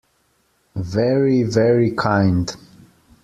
Very, very kind.